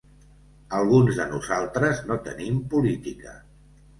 Alguns de nosaltres no tenim política.